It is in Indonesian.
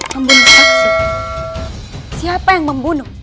membunuh aksi siapa yang membunuh